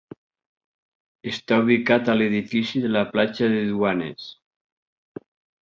Està ubicat a l'edifici de la platja de Duanes.